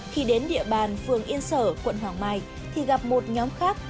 khi đến địa bàn phường yên sở quận hoàng mai thì gặp một nhóm khác